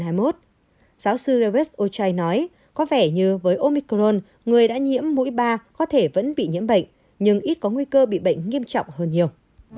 giáo sư rebes ochai nói có vẻ như với omicron người đã nhiễm mũi ba có thể vẫn bị nhiễm bệnh nhưng ít có nguy cơ bị bệnh nghiêm trọng hơn nhiều